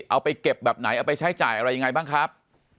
เอาไปเก็บแบบไหนเอาไปใช้จ่ายอะไรยังไงบ้างครับ